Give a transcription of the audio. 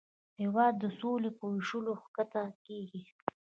هېواد د سولې په ویشلو ښکته کېږي.